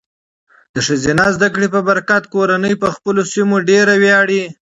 د ښځینه زده کړې په برکت، کورنۍ په خپلو سیمو ډیر ویاړي.